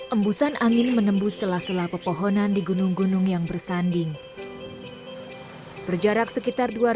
embusan angin menembus sela sela pepohonan di gunung gunung yang bersanding berjarak sekitar